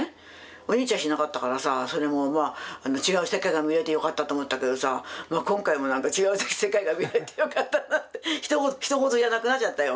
お兄ちゃんしなかったからさそれもまあ違う世界が見れてよかったと思ったけどさ今回もなんか違う世界が見れてよかったなってひと事じゃなくなっちゃったよ